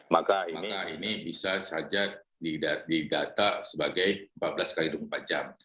maka ini bisa saja didata sebagai empat belas x dua puluh empat jam